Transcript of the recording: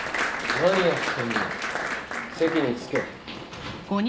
何をしている席に着け。